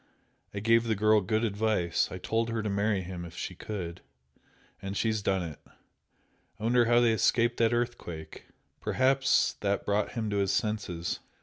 I gave the girl good advice I told her to marry him if she could, and she's done it! I wonder how they escaped that earthquake? Perhaps that brought him to his senses!